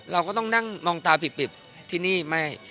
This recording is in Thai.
เราก็ต้องนั่งมองตาปิบที่นี่ไม่